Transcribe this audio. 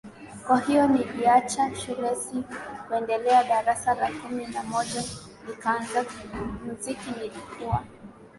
Kwahiyo niliacha shule si kuendelea darasa la kumi na moja Nikaanza muziki Nilikuwa